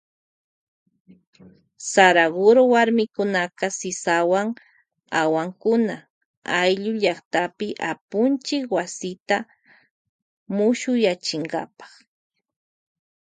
Saraguro warmikunaka sisawan awankuna ayllu llaktapi apunchik wasita mushuyachinkapa.